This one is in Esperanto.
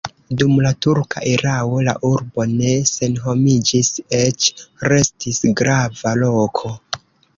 Dum la turka erao la urbo ne senhomiĝis, eĉ restis grava loko.